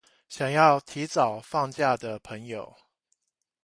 想要提早放假的朋友